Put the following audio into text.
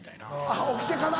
あぁ起きてから。